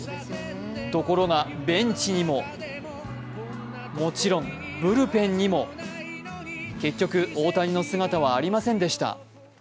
ところがベンチにももちろん、ブルペンにも結局、大谷の姿はありませんでした。